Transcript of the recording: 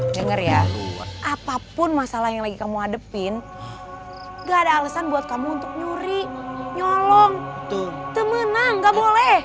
dengar ya apapun masalah yang lagi kamu adepin gak ada alasan buat kamu untuk nyuri nyolong tuh temenang gak boleh